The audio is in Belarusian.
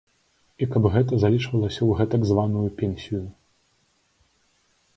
І каб гэта залічвалася ў гэтак званую пенсію.